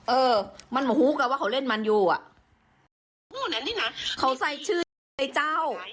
เออมันหูกแล้วว่าเขาเล่นมันอยู่อ่ะเขาใส่ชื่อเจ้า